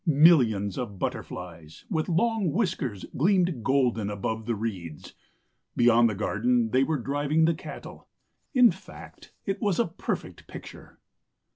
Millions of butterflies with long whiskers gleamed golden above the reeds; beyond the garden they were driving the cattle. In fact, it was a perfect picture.